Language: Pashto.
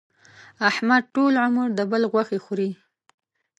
احمد ټول عمر د بل غوښې خوري.